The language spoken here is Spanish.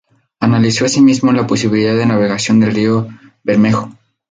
Analizó asimismo la posibilidad de navegación del río Bermejo.